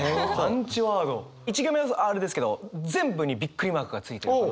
１行目あれですけど全部にビックリマークがついてる。